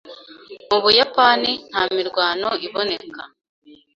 Mu Buyapani nta mirwano iboneka